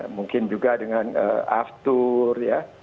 mungkin juga dengan aftur ya